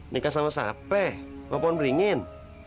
nikah sama siapa mau pohon beringin